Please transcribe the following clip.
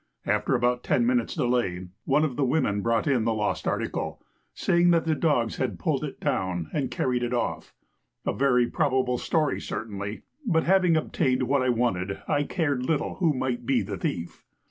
After about ten minutes' delay one of the women brought in the lost article, saying, that the dogs had pulled it down and carried it off, a very probable story certainly; but having obtained what I wanted I cared little who might be the thief.